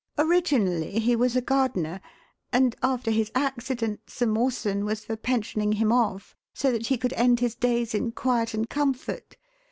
Originally he was a gardener, and, after his accident, Sir Mawson was for pensioning him off so that he could end his days in quiet and comfort.